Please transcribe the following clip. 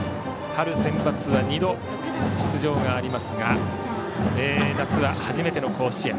春センバツは２度出場がありますが夏は初めての甲子園。